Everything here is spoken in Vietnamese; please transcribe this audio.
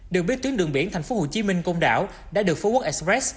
được biết tuyến đường biển tp hcm công đảo đã được phú quốc express